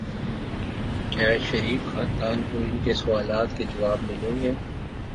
کیا شریف خاندان کو ان کے سوالات کے جواب ملیں گے؟